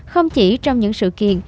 không chỉ trong những sự kiện